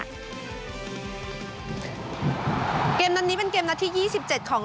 กันค่ะเกมนั้นนี้เป็นเกมละที่ยี่สิบเจ็ดของ